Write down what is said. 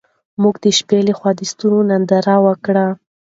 موږ د شپې لخوا د ستورو ننداره وکړه.